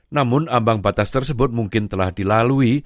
namun ambang batas tersebut mungkin telah dilalui